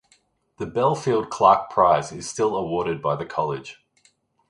The Belfield Clarke Prize is still awarded by the college.